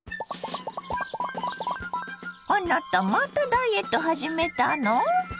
あなたまたダイエット始めたの？